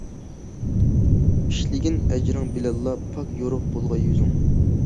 ئىشلىگىن ئەجرىڭ بىلەنلا پاك يورۇق بۇلغاي يۈزۈڭ.